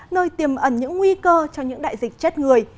nơi tiềm ẩn những nguy cơ cho những đại dịch chết người